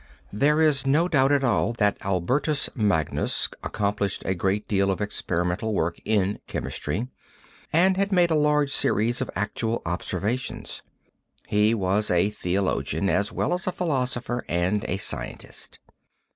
There is no doubt at all that Albertus Magnus accomplished a great amount of experimental work in chemistry and had made a large series of actual observations. He was a theologian as well as a philosopher and a scientist.